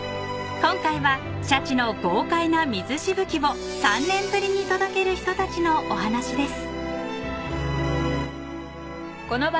［今回はシャチの豪快な水しぶきを３年ぶりに届ける人たちのお話です］